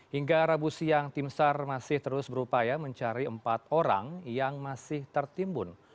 hingga rabu siang tim sar masih terus berupaya mencari empat orang yang masih tertimbun